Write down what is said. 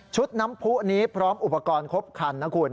น้ำผู้นี้พร้อมอุปกรณ์ครบคันนะคุณ